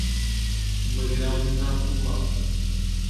O magrão tá por lá